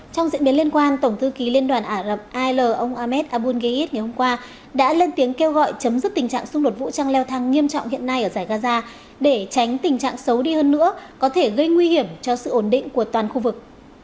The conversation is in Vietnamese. trong diễn biến liên quan tổng thư ký liên đoàn ả rập al ông ahmed aboulgeid ngày hôm qua đã lên tiếng kêu gọi chấm dứt tình trạng xung đột vũ trang leo thang nghiêm trọng hiện nay ở giải gaza để tránh tình trạng xấu đi hơn nữa có thể gây nguy hiểm cho sự ổn định của toàn khu vực